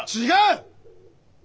違う！